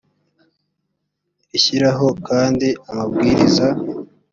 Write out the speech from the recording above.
rishyiraho kandi amabwiriza